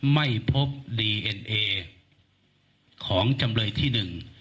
ไม่พบดีเอ็นเอของจำเลยที่หนึ่ง